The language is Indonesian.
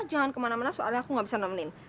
jangan kemana mana soalnya aku nggak bisa nemenin